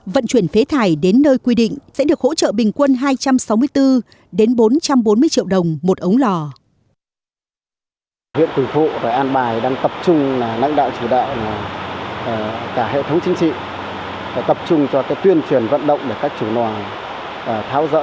vận chuyển phế thải đến nơi quy định sẽ được hỗ trợ bình quân hai trăm sáu mươi bốn đến bốn trăm bốn mươi triệu đồng một ống lò